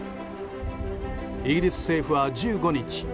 イギリス政府は１５日